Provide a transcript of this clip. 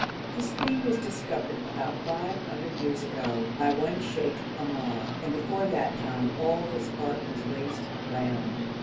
The stream was discovered about five hundred years ago by one Sheikh Omar, and before that time all this part was waste ground.